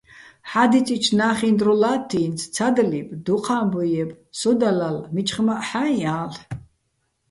ჰ̦ა́დიწიჩო̆ ნა́ხიჼ დრო ლათთ ი́ნც: ცადლიბ, დუჴ ა́მბუჲ ჲებ, სოდა ლალ, მიჩხმაჸ ჰ̦აიჼ ალ'.